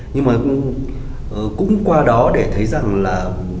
nhưng mà cũng qua đó để thấy rằng là